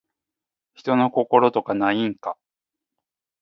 人の心とかないんか